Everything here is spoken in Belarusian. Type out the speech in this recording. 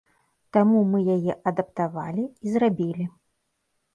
Таму мы яе адаптавалі і зрабілі.